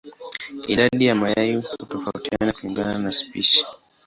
Idadi ya mayai hutofautiana kulingana na spishi.